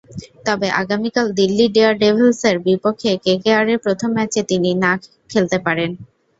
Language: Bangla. তবে আগামীকাল দিল্লি ডেয়ারডেভিলসের বিপক্ষে কেকেআরের প্রথম ম্যাচে তিনি না-ও খেলতে পারেন।